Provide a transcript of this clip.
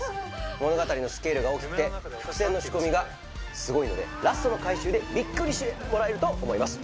物語のスケールが大きくて伏線の仕込みがすごいのでラストの回収でビックリしてもらえると思います。